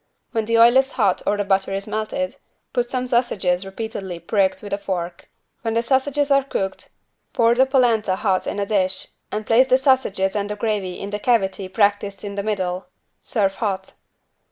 When the oil is hot or the butter is melted, put some sausages repeatedly pricked with a fork. When the sausages are cooked, pour the polenta hot in a dish and place the sausages and the gravy in a cavity practised in the middle. Serve hot.